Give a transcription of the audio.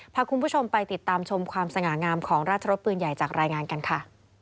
พาคุณผู้ชมไปติดตามชมความสง่างามของราชรสปืนใหญ่จากรายงานกันค่ะ